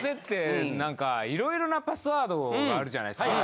なんかいろいろなパスワードがあるじゃないですか。